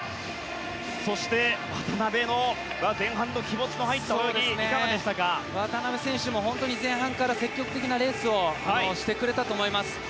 そして、渡辺の前半の気持ちの入った泳ぎ渡辺選手も前半から積極的なレースをしてくれたと思います。